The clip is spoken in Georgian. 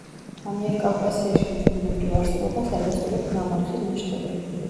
ამიერკავკასიაში მის ბუნებრივ არსებობას ადასტურებს ნამარხი ნაშთები.